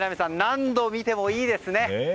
何度見てもいいですね！